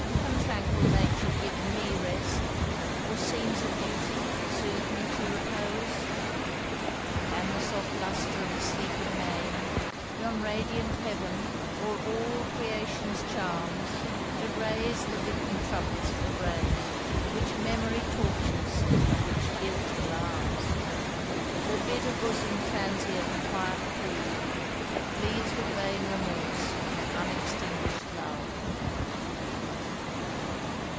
can tranquil nature give me rest, Or scenes of beauty, soothe me to repose? Can the soft lustre of the sleeping main, Yon radient heaven; or all creation's charms, 'Erase the written troubles of the brain,' Which Memory tortures, and which Guilt alarms? Or bid a bosom transient quiet prove, That bleeds with vain remorse, and unextinguish'd love!